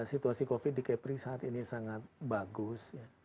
situasi covid di kepri saat ini sangat bagus